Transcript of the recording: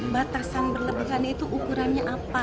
batasan berlebihan itu ukurannya apa